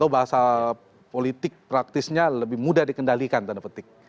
bahasa politik praktisnya lebih mudah dikendalikan tanda petik